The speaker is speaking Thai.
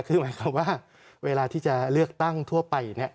คือหมายความว่าเวลาที่จะเลือกตั้งทั่วไปเนี่ย